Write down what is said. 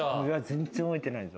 全然覚えてないぞ。